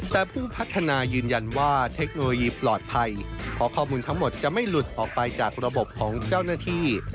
แต่ผู้พัฒนายืนยันว่าเทคโนโลยีปลอดภัยเพราะข้อมูลทั้งหมดจะไม่หลุดออกไปจากระบบของเจ้าหน้าที่